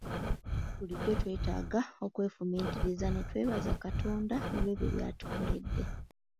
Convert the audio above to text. Bulijjo twetaaga okwefumiitiriza ne twebaza Katonda olw'ebyo byatukoledde.